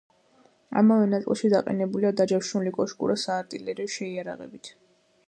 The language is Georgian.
ამავე ნაწილში დაყენებულია დაჯავშნული კოშკურა საარტილერიო შეიარაღებით.